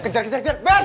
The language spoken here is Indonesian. kejar kejar kejar ben